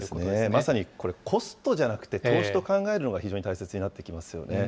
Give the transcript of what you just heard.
まさにこれ、コストじゃなくて、投資と考えるのが非常に大切になってきますよね。